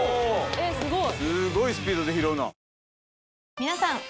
えっすごい。